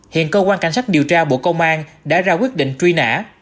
hiện cơ quan cảnh sát điều tra bộ công an đã ra quyết định truy nã